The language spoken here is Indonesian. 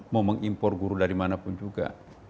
mau mengimpor guru dari mana pun juga